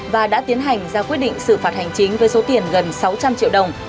và đã tiến hành ra quyết định xử phạt hành chính với số tiền gần sáu trăm linh triệu đồng